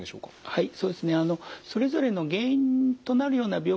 はい。